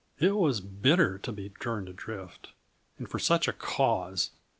It was bitter to be turned adrift and for such a cause!